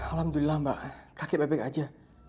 alhamdulillah mbak kakek baik baik aja